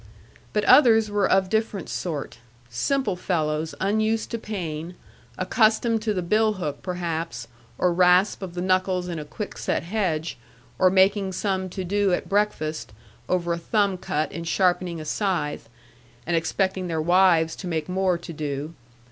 But others were of different sort; simple fellows unused to pain, accustomed to the bill hook, perhaps, or rasp of the knuckles in a quick set hedge, or making some to do at breakfast, over a thumb cut in sharpening a scythe, and expecting their wives to make more to do.